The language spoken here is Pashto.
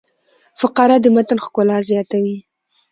فقره د متن ښکلا زیاتوي.